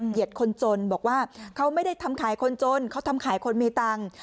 คนจนบอกว่าเขาไม่ได้ทำขายคนจนเขาทำขายคนมีตังค์